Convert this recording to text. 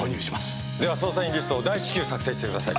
では捜査員リストを大至急作成してください。